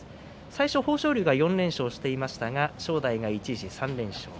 最初、豊昇龍が４連勝していましたが正代が、一時３連勝